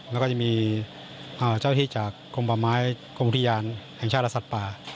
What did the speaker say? แล้วก็จะมีเจ้าที่จากกรมป่าไม้กรมอุทยานแห่งชาติและสัตว์ป่า